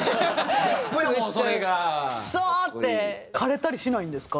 かれたりしないんですか？